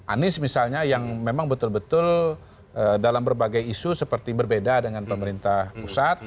anies misalnya yang memang betul betul dalam berbagai isu seperti berbeda dengan pemerintah pusat